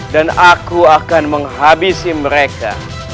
aku akan menghabisi mereka